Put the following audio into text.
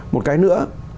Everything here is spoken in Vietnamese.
một cái nữa